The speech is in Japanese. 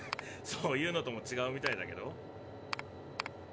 そういうのともちがうみたいだけど。